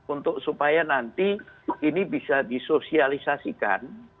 untuk supaya nanti ini bisa disosialisasikan